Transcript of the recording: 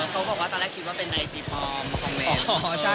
เขาบอกว่าตอนแรกคิดว่าเป็นไอจีปลอมของเมย์